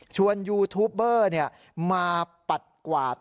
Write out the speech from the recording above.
ยูทูปเบอร์มาปัดกวาด